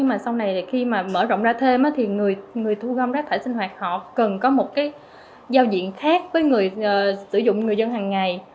mà mở rộng ra thêm thì người thu gom rác thải sinh hoạt họ cần có một cái giao diện khác với người sử dụng người dân hàng ngày